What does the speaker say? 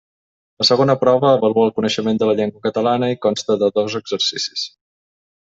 La segona prova avalua el coneixement de la llengua catalana i consta de dos exercicis.